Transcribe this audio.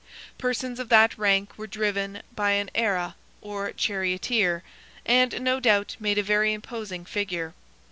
Persons of that rank were driven by an ara, or charioteer, and, no doubt, made a very imposing figure.